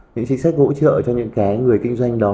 những chính sách hỗ trợ cho những cái người kinh doanh đó